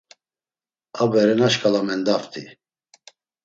A berena şǩala mendaft̆i.